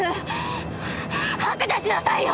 白状しなさいよ！